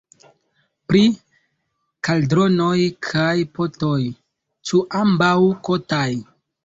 Pri kaldronoj kaj potoj: ĉu ambaŭ kotaj?